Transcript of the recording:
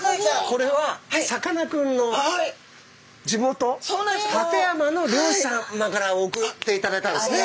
これはさかなクンの地元館山の漁師さまから送っていただいたんですね。